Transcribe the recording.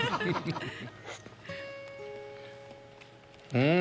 うん！